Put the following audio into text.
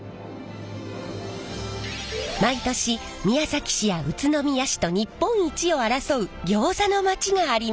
毎年宮崎市や宇都宮市と日本一を争う「ギョーザのまち」があります。